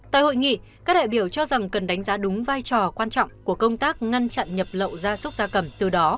tại hội nghị các đại biểu cho rằng cần đánh giá đúng vai trò quan trọng của công tác ngăn chặn nhập lậu gia súc gia cầm từ đó